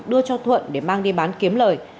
đưa cho thuận để mang đi bán kiếm lời